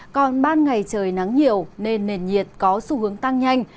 còn ban ngày trời nắng nhiều nên nền nhiệt có xu hướng tăng nhanh